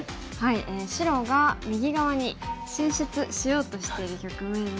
白が右側に進出しようとしている局面で。